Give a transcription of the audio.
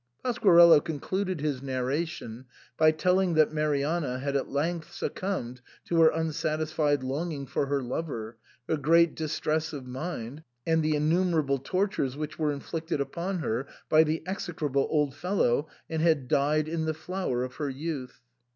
Pasquarello concluded his narration by telling that Marianna had at length succumbed to her unsatisfied longing for her lover, her great distress of mind, and the innumerable tortures which were inflicted upon her by the execrable old fellow, and had died in the flower of her youth.